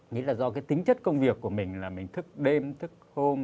nghĩ là do cái tính chất công việc của mình là mình thức đêm thức hôm